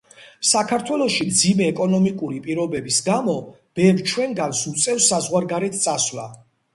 საქართველოში მძიმე ეკონომიკური პირობების გამო ბევრ ჩვენგანს უწევს საზღვარგარეთ წასვლა.